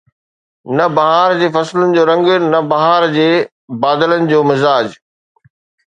نه بهار جي فصل جو رنگ، نه بهار جي بادلن جو مزاج